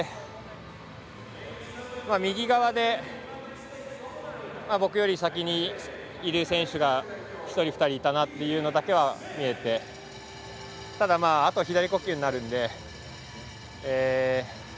右側で僕より先にいる選手が１人、２人いるなっていうのが見えてただ、あとは左呼吸になるんで。